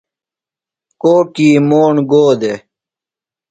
کوکی موݨ گو دےۡ؟